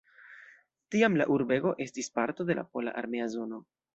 Tiam la urbego estis parto de la pola armea zono.